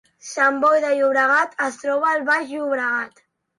Sant Boi de Llobregat es troba al Baix Llobregat